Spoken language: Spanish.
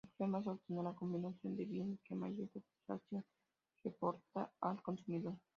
El problema es obtener la combinación de bienes que mayor satisfacción reporta al consumidor.